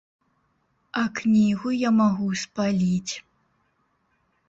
А кнігу я магу спаліць.